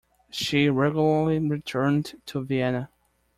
She regularly returned to Vienna.